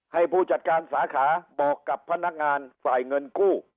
ให้ผู้จัดการสาขาบอกกับพนักงานฝ่ายเงินกู้